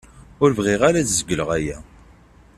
Ur bɣiɣ ara ad zegleɣ aya.